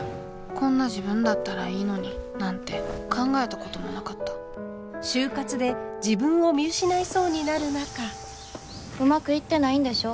「こんな自分だったらいいのに」なんて考えたこともなかったうまくいってないんでしょ？